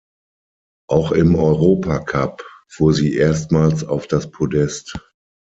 Auch im Europacup fuhr sie erstmals auf das Podest.